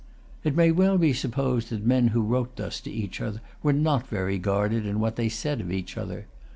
It may well be supposed that men who wrote thus to each other were not very guarded in what they said of each other.